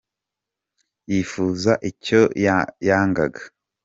Yifuza icyo yangaga.